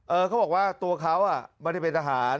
เออเค้าบอกว่าตัวเค้าไม่ใช่เป็นทหาร